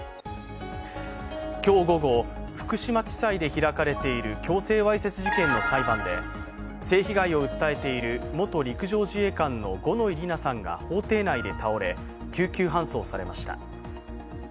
今日午後、福島地裁で開かれている強制わいせつ事件の裁判で性被害を訴えている元陸上自衛官の五ノ井里奈さんが法廷内で倒れ、救急搬送されました